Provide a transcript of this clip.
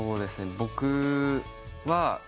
僕は。